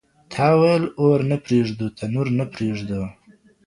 تا ويل اور نه پرېږدو تنور نه پرېږدو